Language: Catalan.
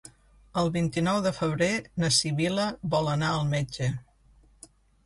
El vint-i-nou de febrer na Sibil·la vol anar al metge.